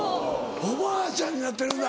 おばあちゃんになってるんだ。